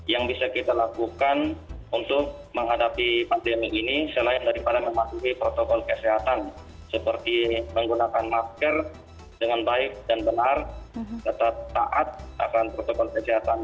yang pasti dan satu satunya panglima perang kita saat ini hanyalah protokol kesehatan